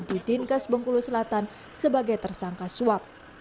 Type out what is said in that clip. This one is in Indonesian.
di dinkes bengkulu selatan sebagai tersangka suap